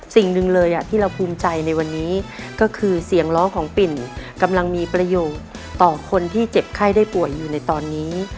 สิ่งหนึ่งเลยที่เราภูมิใจในวันนี้ก็คือเสียงร้องของปิ่นกำลังมีประโยชน์ต่อคนที่เจ็บไข้ได้ป่วยอยู่ในตอนนี้